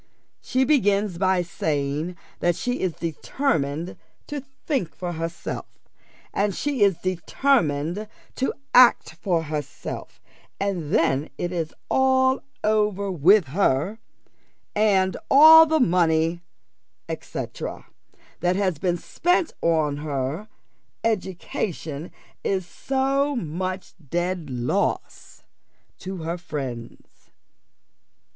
She begins by saying that she is determined to think for herself, and she is determined to act for herself and then it is all over with her: and all the money, &c. that has been spent upon her education is so much dead loss to her friends.